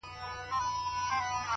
پر دې گناه خو ربه راته ثواب راکه؛